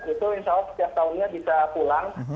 itu insya allah setiap tahunnya bisa pulang